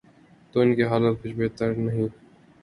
تو ان کی حالت کچھ بہتر نہیں۔